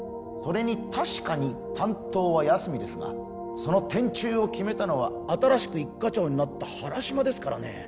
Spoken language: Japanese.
それに確かに担当は八角ですがその転注を決めたのは新しく一課長になった原島ですからね